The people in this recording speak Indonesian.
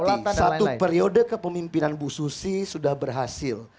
kita menghormati satu periode kepemimpinan bu susi sudah berhasil